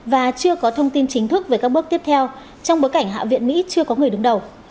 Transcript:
và chưa có thông tin chính thức về các bước tiếp theo trong bối cảnh hạ viện mỹ chưa có người đứng đầu